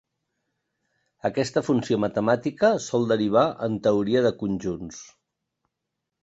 Aquesta funció matemàtica sol derivar en teoria de conjunts.